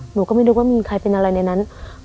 หนูก็ไม่นึกว่ามีใครเป็นอะไรในนั้น